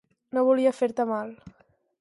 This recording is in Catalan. No volia fer-te mal...